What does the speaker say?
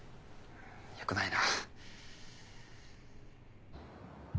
よくないな。